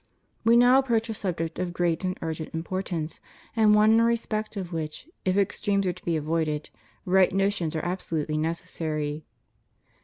We now approach a subject of great and urgent im portance, and one in respect of which, if extremes are to be avoided, right notions are absolutely necessary.